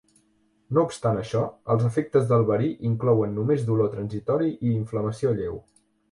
No obstant això, els efectes del verí inclouen només dolor transitori i inflamació lleu.